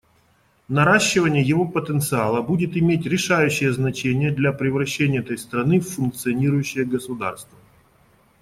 Наращивание его потенциала будет иметь решающее значение для превращения этой страны в функционирующее государство.